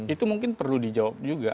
itu mungkin perlu dijawab juga